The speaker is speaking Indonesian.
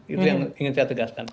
itu yang ingin saya tegaskan